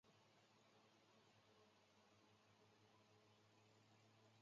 川边町为岐阜县加茂郡所辖的町。